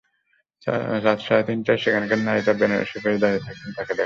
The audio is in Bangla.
রাত সাড়ে তিনটায় সেখানকার নারীরা বেনারসি পরে দাঁড়িয়ে থাকতেন তাঁকে দেখার জন্য।